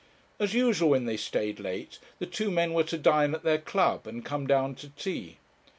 As usual, when they stayed late, the two men were to dine at their club and come down to tea.